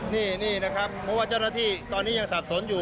นี่นะครับเพราะว่าเจ้าหน้าที่ตอนนี้ยังสับสนอยู่